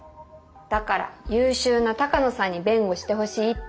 だから優秀な鷹野さんに弁護してほしいって。